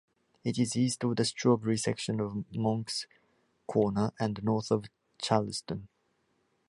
It is east of the Strawberry section of Moncks Corner and north of Charleston.